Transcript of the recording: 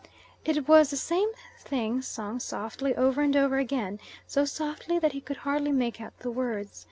It was the same thing sung softly over and over again, so softly that he could hardly make out the words.